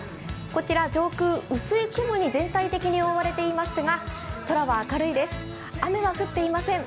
こちら上空薄い雲に全体的に覆われていますが空は明るいです、雨は降っていません。